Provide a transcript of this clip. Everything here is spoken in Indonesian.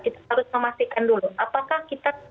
kita harus memastikan dulu apakah kita panik saja